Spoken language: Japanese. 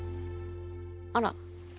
あら！